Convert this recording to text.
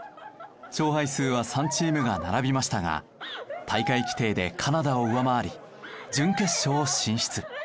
勝敗数は３チームが並びましたが大会規定でカナダを上回り準決勝進出。